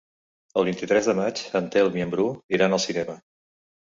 El vint-i-tres de maig en Telm i en Bru iran al cinema.